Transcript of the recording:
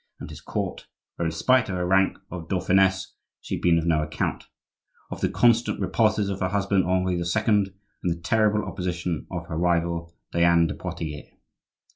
and his court,—where, in spite of her rank of dauphiness, she had been of no account,—or the constant repulses of her husband, Henri II., and the terrible opposition of her rival, Diane de Poitiers.